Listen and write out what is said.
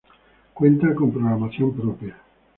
Cuenta con programación propia.